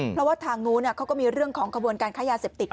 เพราะว่าทางนู้นเขาก็มีเรื่องของขบวนการค้ายาเสพติด